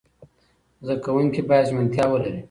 زده کوونکي باید ژمنتیا ولري.